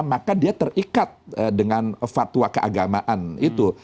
maka dia terikat dengan fatwa keagamaan itu